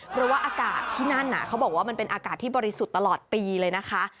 เพราะว่าอากาศที่นั่นเขาบอกว่ามันเป็นอากาศที่บริสุทธิ์ตลอดปีเลยนะคะ